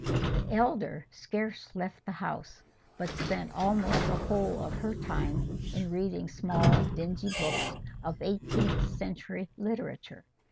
The elder scarce left the house, but spent almost the whole of her time in reading small dingy books of eighteenth century literature.